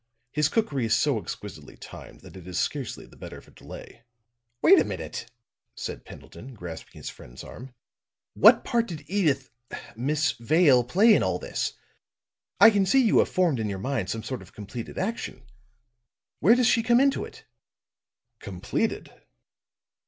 His cookery is so exquisitely timed that it is scarcely the better for delay." "Wait a minute," said Pendleton, grasping his friend's arm. "What part did Edyth Miss Vale play in all this? I can see you have formed in your mind some sort of completed action. Where does she come into it?" "Completed!"